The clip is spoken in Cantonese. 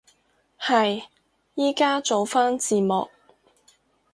係，依家做返字幕